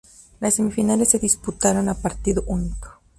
Las semifinales se disputaron a partido único.